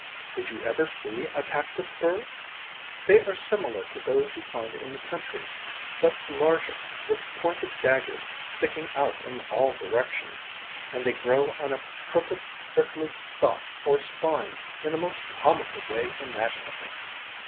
Did you ever see a cactus burr? They are similar to those you find in the country, but larger, with pointed daggers sticking out in all directions, and they grow on a crooked, prickly stalk or spine in the most comical way imaginable.